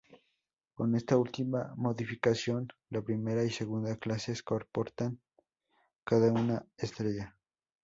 Con esta última modificación, la primera y segunda clases comportan cada una una estrella.